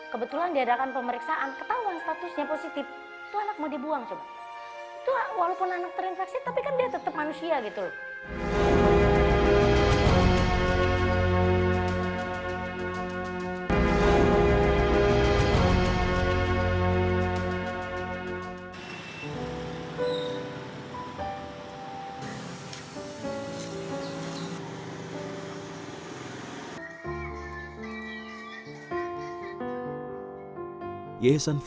kebetulan diadakan pemeriksaan ketahuan statusnya positif